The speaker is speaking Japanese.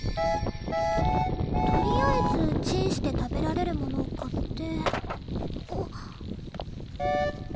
とりあえずチンして食べられるものを買って。